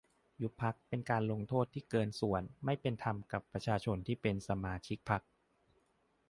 ยุบพรรคเป็นการลงโทษที่เกินส่วน ไม่เป็นธรรมกับประชาชนที่เป็นสมาชิกพรรค